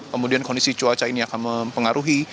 kemudian kondisi cuaca ini akan mempengaruhi